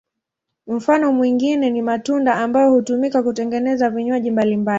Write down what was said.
Mfano mwingine ni matunda ambayo hutumika kutengeneza vinywaji mbalimbali.